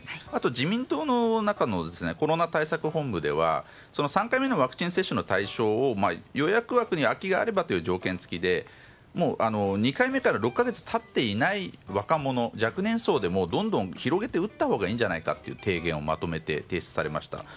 あと自民党の中のコロナ対策本部では３回目のワクチン接種の対象を予約枠に空きがあればという条件付きで２回目から６か月経っていない若者若年層でもどんどん広げて打ったほうがいいんじゃないかという提言をまとめて提出されました。